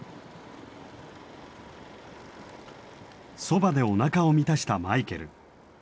そばでおなかを満たしたマイケル。